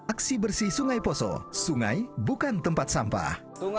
aksi bersih sungai poso sungai bukan tempat sampah